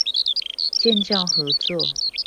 建教合作